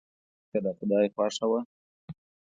که د خدای خوښه وه.